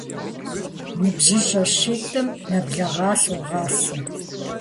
НыбжьыщӀэ щитӏым нэблагъэ согъасэ.